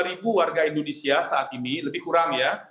dua puluh ribu warga indonesia saat ini lebih kurang ya